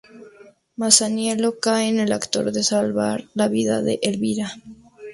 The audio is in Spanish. Masaniello cae en el acto de salvar la vida de Elvira.